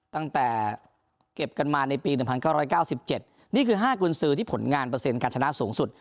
ตั้งแต่เก็บกันมาในปีหนึ่งพันเก้าร้อยเก้าสิบเจ็ดนี่คือห้ากุญศือที่ผลงานเปอร์เซ็นต์การชนะสูงสุด